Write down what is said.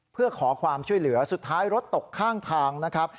เพื่อขอความช่วยเหลือสุดท้ายรถตกข้างทางนะครับ